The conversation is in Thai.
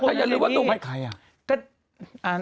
ใครอ่ะใครอ่ะ